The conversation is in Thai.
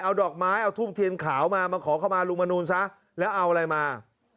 เอาดอกไม้เอาทูบเทียนขาวมามาขอเข้ามาลุงมนูลซะแล้วเอาอะไรมา